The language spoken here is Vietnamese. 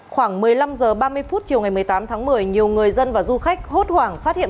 khoảng một mươi năm h ba mươi phút chiều ngày một mươi tám tháng một mươi nhiều người dân và du khách hốt hoảng phát hiện